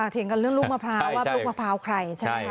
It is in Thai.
เถียงกันเรื่องลูกมะพร้าวว่าลูกมะพร้าวใครใช่ไหมคะ